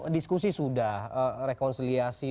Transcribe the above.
diskusi sudah rekonsiliasi